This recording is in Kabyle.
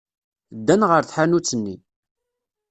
Ddan ɣer tḥanut-nni.